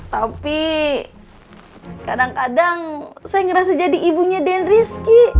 tapi kadang kadang saya ngerasa jadi ibunya den riski